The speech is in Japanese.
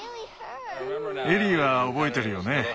エリーは覚えてるよね？